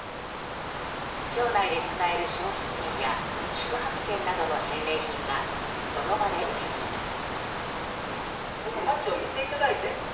町内で使える商品券や宿泊券などの返礼品がその場で受け取れます。